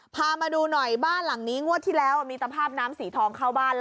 พามาดูหน่อยบ้านหลังนี้งวดที่แล้วมีตภาพน้ำสีทองเข้าบ้าน